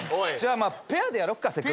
じゃあペアでやろっか。